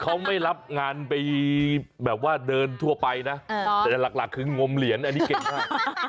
เขาไม่รับงานไปดื่มเท่ห์แบบว่าเดินทั่วไปนะหลักคืองมเหรียญอันนี้เก่งไหร่